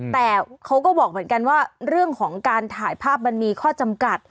แต่เขาก็บอกเหมือนกันว่าเรื่องของการถ่ายภาพมันมีข้อจำกัด